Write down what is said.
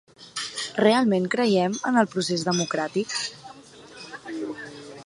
Realment creiem en el procés democràtic?